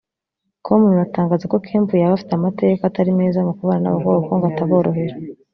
com ruratangaza ko Kemp yaba afite amateka atari meza mu kubana n’abakobwa kuko ngo ataborohera